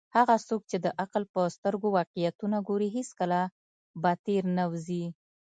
هغه څوک چې د عقل په سترګو واقعیتونه ګوري، هیڅکله به تیر نه وزي.